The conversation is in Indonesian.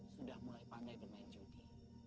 sudah mulai pandai bermain judi